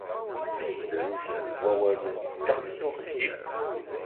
Drus n wawalen, ddeqs n uxeddim.